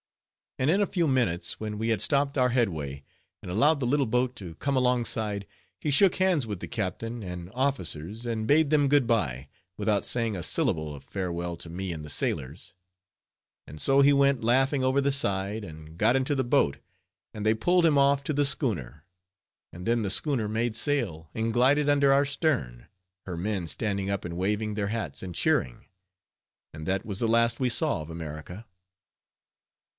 And in a few minutes, when we had stopped our headway, and allowed the little boat to come alongside, he shook hands with the captain and officers and bade them good by, without saying a syllable of farewell to me and the sailors; and so he went laughing over the side, and got into the boat, and they pulled him off to the schooner, and then the schooner made sail and glided under our stern, her men standing up and waving their hats, and cheering; and that was the last we saw of America.